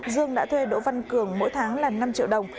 dương đã thuê đỗ văn cường mỗi tháng là năm triệu đồng